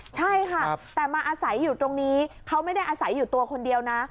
ใช่ค่ะแต่มาอาศัยอยู่ตรงนี้เขาไม่ได้อาศัยอยู่ตัวคนเดียวนะ